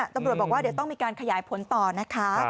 ตำรวจบอกว่าเดี๋ยวต้องมีการขยายผลต่อนะคะ